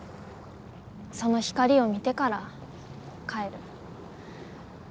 その光を見てから帰る。